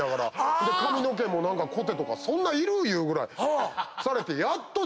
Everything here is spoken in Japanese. ほんで髪の毛もコテとかそんないる⁉いうぐらいされてやっと自分の番。